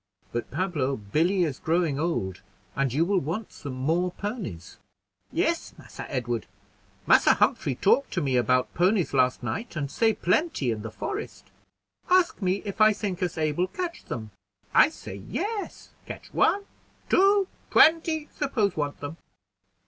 But, Pablo, Billy is growing old, and you will want some more ponies." "Yes, Massa Edward; Massa Humphrey talk to me about ponies last night, and say plenty in the forest. Ask me if I think us able catch them. I say yes, catch one, two, twenty, suppose want them."